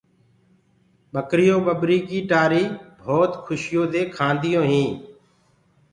ٻڪريونٚ ٻٻريٚ ڪيٚ ٽآريٚ بهوت کُشيو دي کآنديو هينٚ۔